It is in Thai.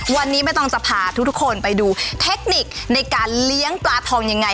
วันนี้ไม่ต้องจะพาทุกคนไปดูเทคนิคในการเลี้ยงปลาทองยังไง